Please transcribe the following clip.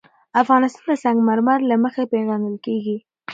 افغانستان د سنگ مرمر له مخې پېژندل کېږي.